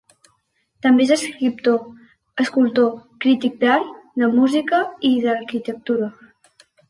També és escriptor, escultor, crític d'art, de música i d'arquitectura.